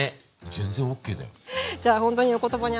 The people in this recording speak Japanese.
全然ＯＫだよ。